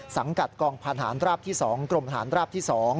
สังกัดกองพันธานราบที่๒กรมฐานราบที่๒